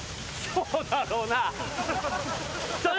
そうだろうな。